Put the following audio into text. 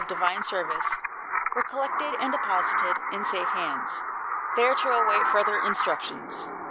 Divine Service, were collected and deposited in safe hands, there to await further in structions.